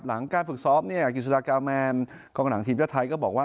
หลังการฝึกซอฟต์เนี่ยอากิสุทักราบแมนกองหลังทีมชะไทยก็บอกว่า